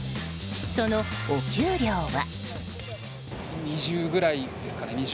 そのお給料は。